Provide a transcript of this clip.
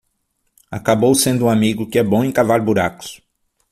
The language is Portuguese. Acabou sendo um amigo que é bom em cavar buracos.